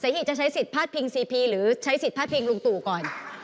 เสาหิจะใช้ความพูดภาพิงซีทิฟต์หรือใช้ภาพิงลูกตู่ก่อน